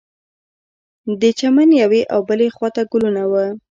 د چمن یوې او بلې خوا ته ګلونه وه.